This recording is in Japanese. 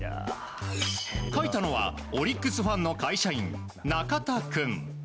描いたのはオリックスファンの会社員ＮＡＫＡＴＡ君。